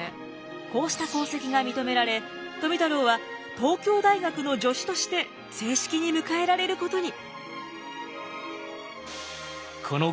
こうした功績が認められ富太郎は東京大学の助手として正式に迎えられることに。